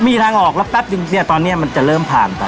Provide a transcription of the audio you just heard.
มีทางออกแล้วแป๊บนึงเนี่ยตอนนี้มันจะเริ่มผ่านไป